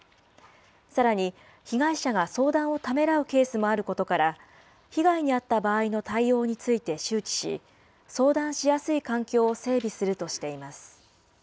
さらに、被害者が相談をためらうケースもあることから、被害に遭った場合の対応について周知し、相談しやすい環境を整備するとしています。